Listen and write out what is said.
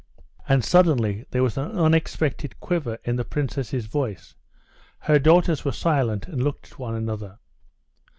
And suddenly there was an unexpected quiver in the princess's voice. Her daughters were silent, and looked at one another.